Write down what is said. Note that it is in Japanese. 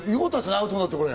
アウトになって。